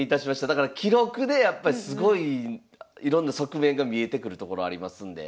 だから記録でやっぱすごいいろんな側面が見えてくるところありますんで。